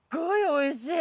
おいしい？